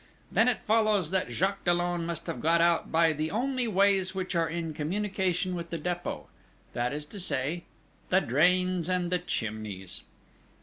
Then it follows that Jacques Dollon must have got out by the only ways which are in communication with the Dépôt: that is to say, the drains and the chimneys!"